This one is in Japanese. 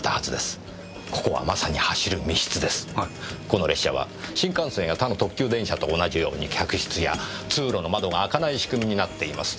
この列車は新幹線や他の特急電車と同じように客室や通路の窓が開かない仕組みになっています。